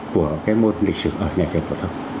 của cái môn lịch sử ở đây